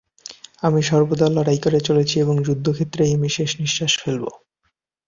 আমি সর্বদা লড়াই করে চলেছি এবং যুদ্ধক্ষেত্রেই আমি শেষনিঃশ্বাস ফেলব।